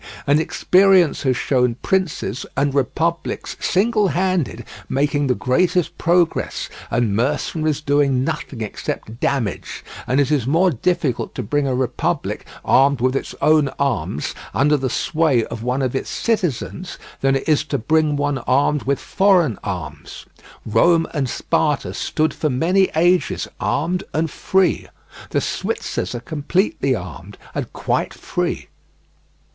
And experience has shown princes and republics, single handed, making the greatest progress, and mercenaries doing nothing except damage; and it is more difficult to bring a republic, armed with its own arms, under the sway of one of its citizens than it is to bring one armed with foreign arms. Rome and Sparta stood for many ages armed and free. The Switzers are completely armed and quite free.